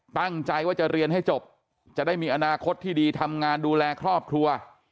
ตั้งใจว่าจะเรียนให้จบจะได้มีอนาคตที่ดีทำงานดูแลครอบครัว